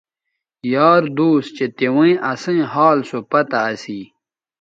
یار دوس چہء تیویں اسئیں حال سو پتہ اسی